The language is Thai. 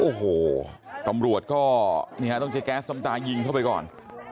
โอ้โหตำรวจก็ต้องใช้แก๊สน้ำตายิงเข้าไปก่อน